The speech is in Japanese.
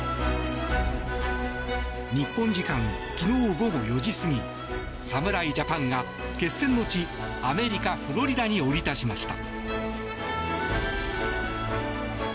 日本時間午後４時過ぎ侍ジャパンが決戦の地、アメリカ・フロリダに降り立ちました。